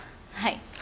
はい。